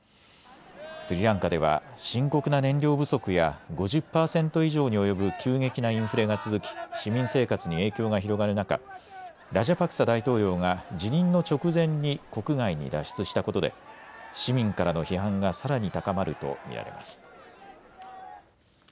スリランカでは深刻な燃料不足や５０％以上に及ぶ急激なインフレが続き市民生活に影響が広がる中、ラジャパクサ大統領が辞任の直前に国外に脱出したことで市民からの批判がさらに高まると見られます。